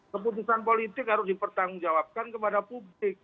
keputusan politik harus dipertanggungjawabkan kepada publik